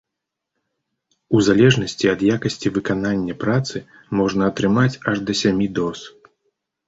У залежнасці ад якасці выканання працы, можна атрымаць аж да сямі доз.